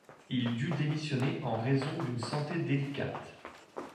Il dut démissionner en raison d'une santé délicate.